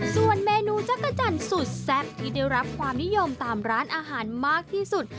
ส่วนเมนูจักรจันทร์สุดแซ่บที่ได้รับความนิยมตามร้านอาหารมากที่สุด